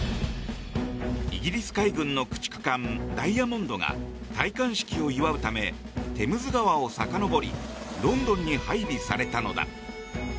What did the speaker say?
イギリス海軍の駆逐艦「ダイヤモンド」が戴冠式を祝うためテムズ川をさかのぼりロンドンに配備されたのだ。